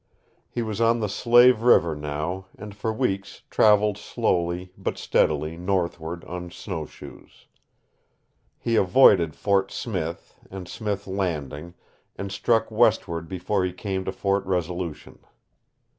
He was on the Slave River now and for weeks traveled slowly but steadily northward on snowshoes. He avoided Fort Smith and Smith Landing and struck westward before he came to Fort Resolution.